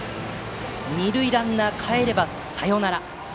二塁ランナーがかえればサヨナラ。